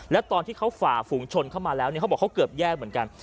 แล้วตอนที่เขาฝ่าฝูงชนเข้ามาแล้วเนี่ยเขาบอกเขาเกือบแย่เหมือนกัน